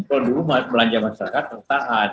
kalau dulu belanja masyarakat taat